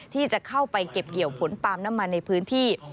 ที่จะเข้าไปเก็บเกี่ยวผลปาล์มน้ำมันในพื้นที่